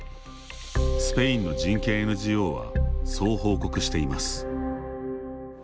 スペインの人権ＮＧＯはそう報告しています。